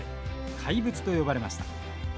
怪物と呼ばれました。